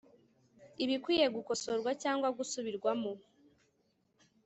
ibikwiye gukosorwa cyangwa gusubirwamo